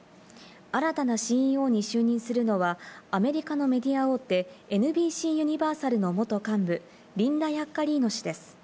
新たなＣＥＯに就任するのは、アメリカのメディア大手、ＮＢＣユニバーサルの元幹部、リンダ・ヤッカリーノ氏です。